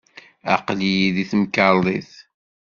Aql-iyi deg temkarḍit.